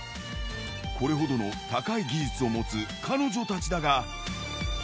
これほどの高い技術を持つ彼女たちだが。